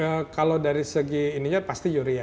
ya antara kalau dari segi ini aja pasti yuria